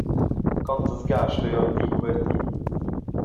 Contas gadas stoi jeu aunc dir quei a ti?